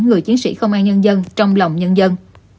người chiến sĩ công an nhân dân trong lòng nhân dân